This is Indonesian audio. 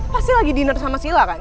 pasti lagi dinner sama sila kan